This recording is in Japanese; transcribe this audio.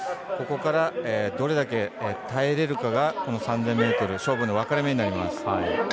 ここからどれだけ耐えれるかがこの３０００ｍ勝負の分かれ目になります。